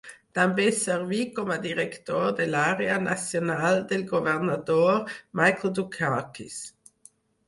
També serví com a director de l'àrea Nacional del governador Michael Dukakis.